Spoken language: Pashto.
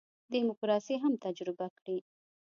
دیموکراسي هم تجربه کړي.